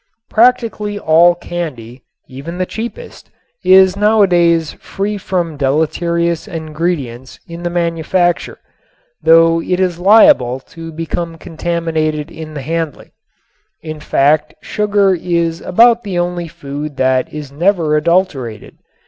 Practically all candy, even the cheapest, is nowadays free from deleterious ingredients in the manufacture, though it is liable to become contaminated in the handling. In fact sugar is about the only food that is never adulterated.